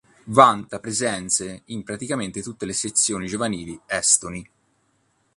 Vanta presenze in praticamente tutte le selezioni giovanili estoni.